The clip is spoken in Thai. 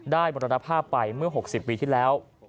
ได้บรรทภาพไปเมื่อ๖๐ปีที่แล้ว